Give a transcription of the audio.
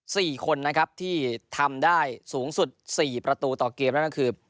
สี่คนนะครับที่ทำได้สูงสุดสี่ประตูต่อเกมนั่นก็คือ